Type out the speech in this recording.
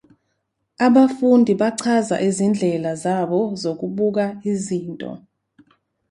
Abafundi bachaza izindlela zabo zokubuka izinto.